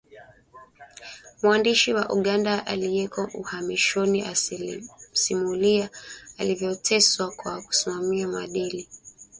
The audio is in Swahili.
Mwandishi wa Uganda aliyeko uhamishoni asimulia alivyoteswa kwa kusimamia maadili